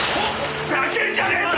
ふざけんじゃねえぞ